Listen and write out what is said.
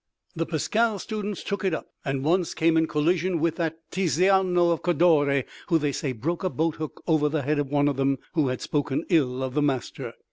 The Pascale students took it up, and once came in collision with that Tiziano of Cadore, who they say broke a boat hook over the head of one of them who had spoken ill of the Master.